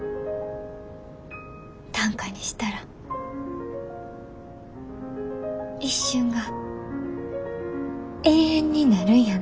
短歌にしたら一瞬が永遠になるんやんな？